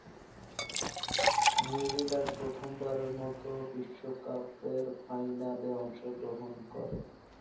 New Zealand প্রথমবারের মতো বিশ্বকাপের ফাইনালে অংশগ্রহণ করে।